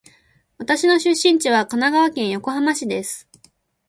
私の出身地は神奈川県横浜市です。